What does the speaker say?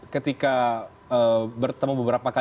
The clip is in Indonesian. ketika bertemu beberapa kali